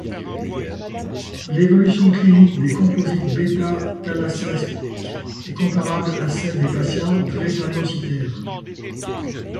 L'évolution clinique des composites β-thalassémiques est comparable à celle des patients drépanocytaires.